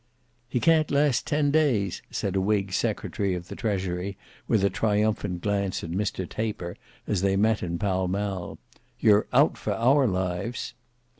"He can't last ten days," said a whig secretary of the treasury with a triumphant glance at Mr Taper as they met in Pall Mall; "You're out for our lives."